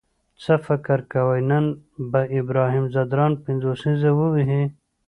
څه فکر کوئ نن به ابراهیم ځدراڼ پنځوسیزه ووهي؟